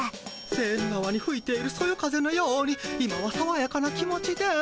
セーヌ川にふいているそよ風のように今はさわやかな気持ちです。